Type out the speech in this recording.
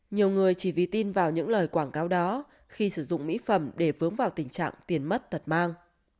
nhiều người chỉ vì tin vào những lời quảng cáo đó khi sử dụng mỹ phẩm để vướng vào tình trạng tiền mất tật mang